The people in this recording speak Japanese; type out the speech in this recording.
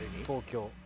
東京。